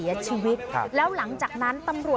อายุ๒๗ปีนะคะอย่างที่บอกเขาเป็นผู้ต้องหาแชทลวงหญิงสาวอายุ๒๖ปี